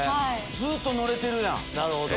ずっと乗れてるやん。